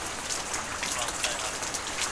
نجلۍ خواست مي درته کړی چي پر سر دي منګی مات سي